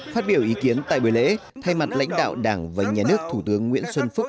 phát biểu ý kiến tại buổi lễ thay mặt lãnh đạo đảng và nhà nước thủ tướng nguyễn xuân phúc